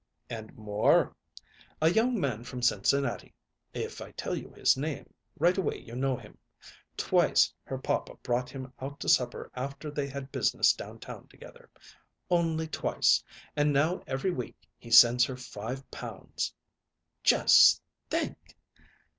"And more. A young man from Cincinnati if I tell you his name, right away you know him twice her papa brought him out to supper after they had business down town together only twice; and now every week he sends her five pounds " "Just think!"